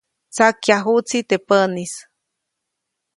Tsakyajuʼtsi teʼ päʼnis.